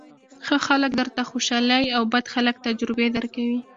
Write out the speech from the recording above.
ښه خلک درته خوشالۍ او بد خلک تجربې درکوي.